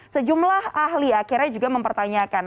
sejumlah ahli akhirnya juga mempertanyakan